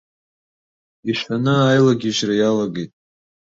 Ишәаны аилагьежьра иалагеит.